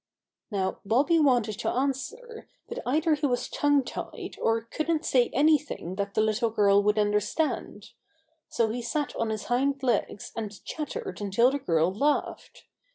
Now Bobby wanted to answer, but either he was tongue tied or couldn't say anything that the little girl would understand. So he sat on his hind legs and chattered until the girl laughed.